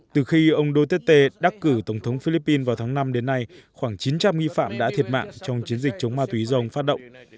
từ khi ông duterte đắc cử tổng thống philippines vào tháng năm đến nay khoảng chín trăm linh nghi phạm đã thiệt mạng trong chiến dịch chống ma túy do ông phát động